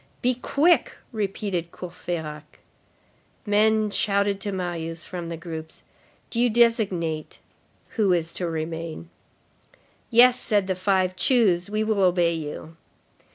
"Be quick," repeated Courfeyrac. Men shouted to Marius from the groups: "Do you designate who is to remain." "Yes," said the five, "choose. We will obey you."